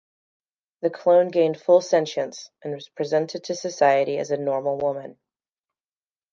The clone gained full sentience and was presented to society as a normal woman.